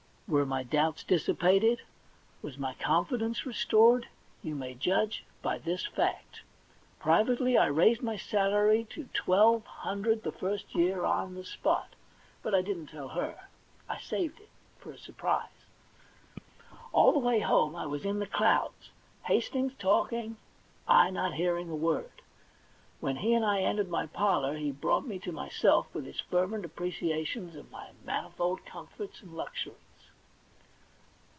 Were my doubts dissipated ? Was my con fidence restored ? You may judge by this fact : privately I raised my salary to twelve hundred the THE £1,000,000 BANK NOTE 29 first year on the spot. But I didn't tell her ; I saved it for a surprise. All the way home I was in the clouds, Hastings talking, I not hearing a word. When he and I entered my parlour he brought me to myself with his fervent appreciations of my manifold comforts and luxuries.